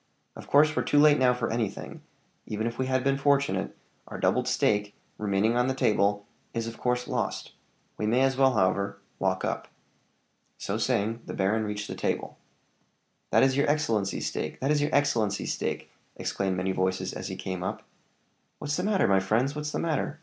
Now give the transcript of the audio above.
_ Of course we're too late now for anything; even if we had been fortunate, our doubled stake, remaining on the table, is of course lost; we may as well, however, walk up." So saying, the baron reached the table. "That is your excellency's stake! that is your excellency's stake!" exclaimed many voices as he came up. "What's the matter, my friends? what's the matter?"